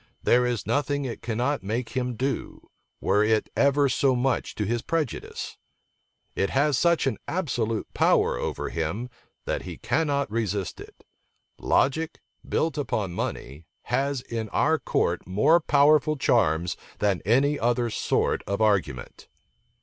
There is nothing it cannot make him do, were it ever so much to his prejudice. It has such an absolute power over him that he cannot resist it. Logic, built upon money, has in our court more powerful charms than any other sort of argument."